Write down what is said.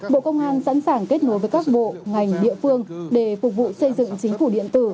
bộ công an sẵn sàng kết nối với các bộ ngành địa phương để phục vụ xây dựng chính phủ điện tử